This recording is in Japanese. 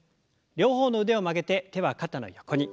両方の腕を曲げて手は肩の横に。